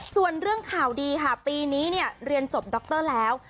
ส่วนเรื่องข่าวดีค่ะปีนี้เนี่ยเรียนจบดรแล้ว